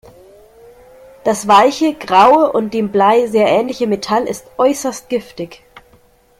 Das weiche, graue und dem Blei sehr ähnliche Metall ist äußerst giftig.